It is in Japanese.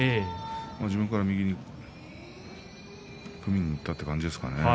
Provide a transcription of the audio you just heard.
自分から右に組みにいったという感じですかね。